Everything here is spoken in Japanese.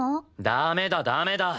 ダメだダメだ。